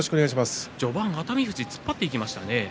序盤、熱海富士は突っ張っていきましたね。